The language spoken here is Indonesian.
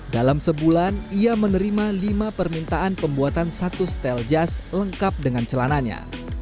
dalam sebulan ia menerima lima permintaan pembuatan satu stel jas lengkap dengan celananya